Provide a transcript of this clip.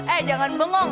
eh jangan bengong